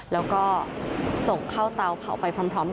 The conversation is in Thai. แล้วก็ส่งเข้าเตาเผาไปพร้อมกัน